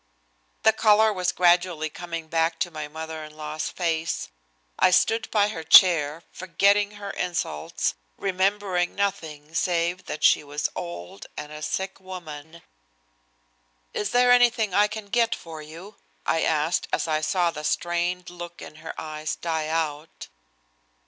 The color was gradually coming back to my mother in law's face. I stood by her chair, forgetting her insults, remembering nothing save that she was old and a sick woman. "Is there anything I can get for you?" I asked as I saw the strained look in her eyes die out.